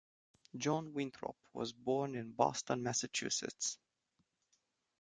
John Winthrop was born in Boston, Mass.